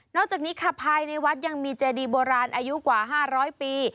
จากนี้ค่ะภายในวัดยังมีเจดีโบราณอายุกว่า๕๐๐ปี